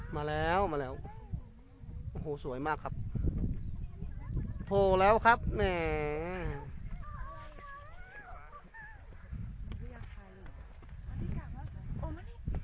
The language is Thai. มาแล้วมาแล้วโอ้โหสวยมากครับโทรแล้วครับแหม